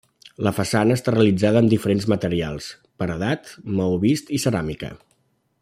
La façana està realitzada amb diferents materials: paredat, maó vist i ceràmica.